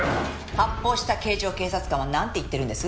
発砲した警乗警察官はなんて言ってるんです？